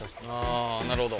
あなるほど。